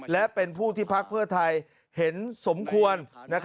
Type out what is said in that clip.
และเป็นผู้ที่พักเพื่อไทยเห็นสมควร